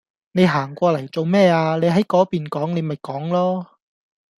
你行過嚟做咩呀，你喺嗰邊講你咪講囉